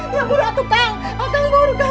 ya buru aku kang akang buru kang